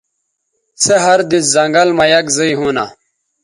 سے ہر دِس زنگل مہ یک زائے ہونہ